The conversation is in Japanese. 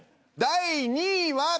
第２位は。